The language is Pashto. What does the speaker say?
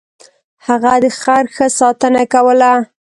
هغه د خر ښه ساتنه کوله.